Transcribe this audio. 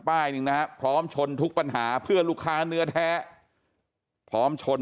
หนึ่งนะฮะพร้อมชนทุกปัญหาเพื่อลูกค้าเนื้อแท้พร้อมชน